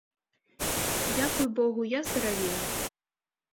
Дзякуй богу, я здаравею.